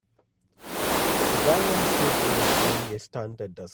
A guy on a skateboard is doing a stunt at dusk.